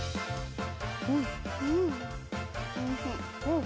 うん。